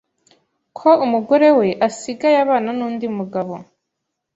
ko umugore we asigaye abana n’undi mugabo.